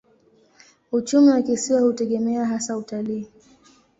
Uchumi wa kisiwa hutegemea hasa utalii.